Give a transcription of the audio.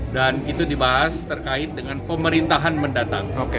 dan itu dibahas terkait dengan pemerintahan mendatang